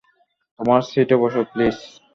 তোমার সিটে বসো, প্লিজ।